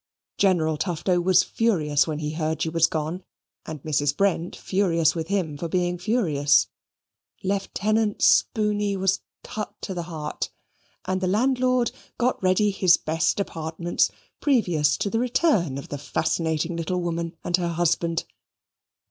General Tufto was furious when he heard she was gone, and Mrs. Brent furious with him for being furious; Lieutenant Spooney was cut to the heart; and the landlord got ready his best apartments previous to the return of the fascinating little woman and her husband.